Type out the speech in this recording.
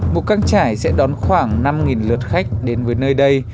mù căng trải sẽ đón khoảng năm lượt khách đến với nơi đây